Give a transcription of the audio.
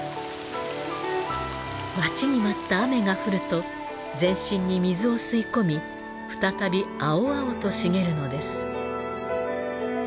待ちに待った雨が降ると全身に水を吸い込み再び青々と茂るのです。